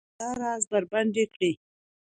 دا راز بربنډ کړي